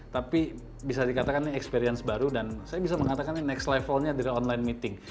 tapi bisa dikatakan ini experience baru dan saya bisa mengatakan ini next levelnya dari online meeting